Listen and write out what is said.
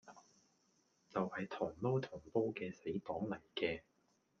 就係同撈同煲嘅死黨嚟嘅